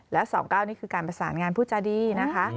และ๒๙นี่คือการประสานงานผู้จาดีนะคะ